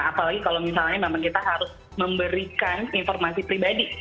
apalagi kalau misalnya memang kita harus memberikan informasi pribadi